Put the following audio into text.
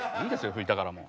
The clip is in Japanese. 拭いたからもう。